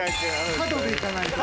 角でいかないと。